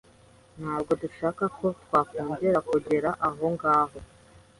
Ntabwo dushaka ko twakongera kugera ahongaho